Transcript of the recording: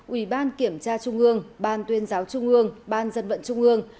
ủy ban kiểm tra trung ương ban tuyên giáo trung ương ban dân vận trung ương